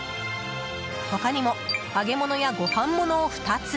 他にも揚げ物やご飯物を２つ。